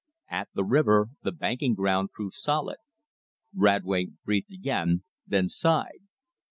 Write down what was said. At the river the banking ground proved solid. Radway breathed again, then sighed.